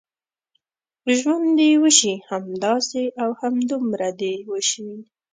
ژوند دې وشي، همداسې او همدومره دې وشي.